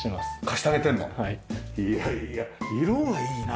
いやいや色がいいね。